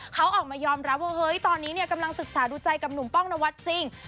เขาออกมายอมรับว่าเฮ้ยตอนนี้เนี่ยกำลังศึกษาดูใจกับหนุ่มป้องนวัดจริง